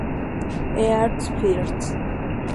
Earth First!